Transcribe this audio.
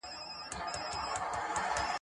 دا مي سمنډوله ده برخه مي لا نوره ده ..